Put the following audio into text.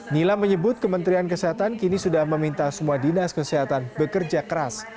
nila menyebut kementerian kesehatan kini sudah meminta semua dinas kesehatan bekerja keras